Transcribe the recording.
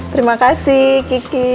terima kasih kiki